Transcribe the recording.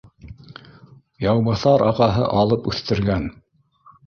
Яубаҫар ағаһы алып үҫтергән